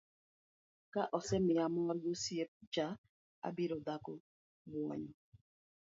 ka osemiye mor gi osiep cha, obiro chako buonjo